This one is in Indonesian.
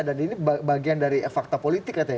dan ini bagian dari fakta politik katanya